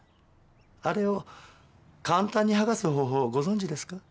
あれを簡単に剥がす方法をご存じですか？